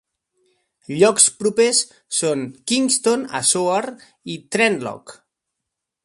Llocs propers són Kingston a Soar i Trentlock.